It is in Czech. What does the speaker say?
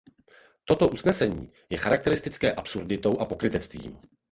Toto usnesení je charakteristické absurditou a pokrytectvím.